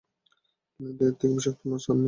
দুনিয়াতে এর থেকে বিষাক্ত মাছ আর নেই।